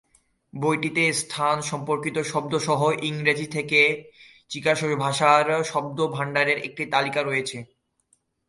বইটিতে স্থান-সম্পর্কিত শব্দসহ ইংরেজি থেকে চিকাসো ভাষার শব্দভাণ্ডারের একটি তালিকা রয়েছে।